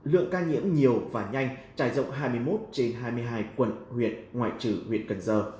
lượng ca nhiễm nhiều và nhanh trải rộng hai mươi một trên hai mươi hai quận huyện ngoại trừ huyện cần giờ